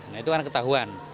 nah itu karena ketahuan